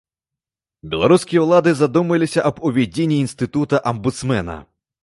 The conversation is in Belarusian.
Беларускія ўлады задумаліся аб увядзенні інстытута амбудсмэна.